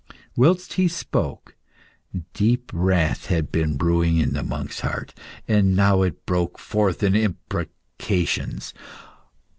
Whilst he spoke, deep wrath had been brewing in the monk's heart, and it now broke forth in imprecations.